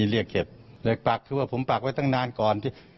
เลยพักคือว่าชอบตั้งนานก่อน